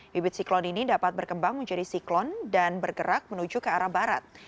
bibit siklon ini dapat berkembang menjadi siklon dan bergerak menuju ke arah barat